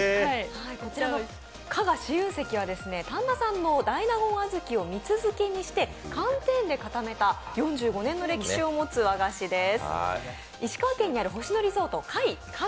こちらの加賀紫雲石は丹波産の大納言小豆を蜜漬けにして寒天で固めた、４５年の歴史を持つ和菓子です。